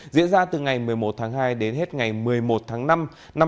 diễn ra từ ngày một mươi một tháng hai đến hết ngày một mươi một tháng năm năm hai nghìn hai mươi